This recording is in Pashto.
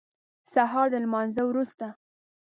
سهار د لمانځه وروسته.